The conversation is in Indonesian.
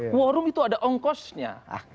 quorum itu ada ongkosnya